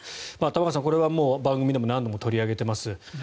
玉川さん、これは番組でも何度も取り上げています。